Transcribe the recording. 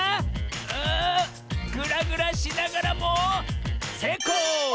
あグラグラしながらもせいこう！